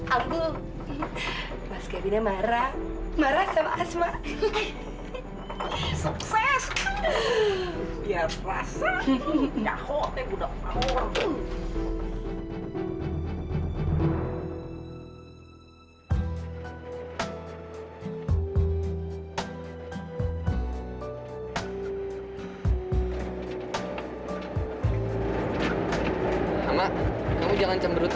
ambu mas gavina marah marah sama asma